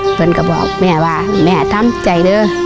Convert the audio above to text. จนก็บอกแม่ว่าแม่ทำใจเลย